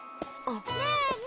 ねえねえ